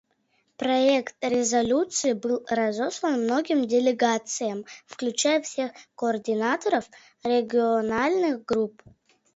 Проект резолюции был разослан многим делегациям, включая всех координаторов региональных групп.